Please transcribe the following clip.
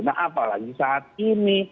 nah apalagi saat ini